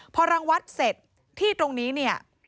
พอรังวัดเสร็จที่ตรงนี้